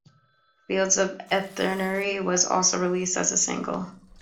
"Fields of Athenry" was also released as a single.